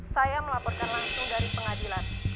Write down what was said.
saya melaporkan langsung dari pengadilan